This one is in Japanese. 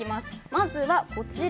まずはこちら。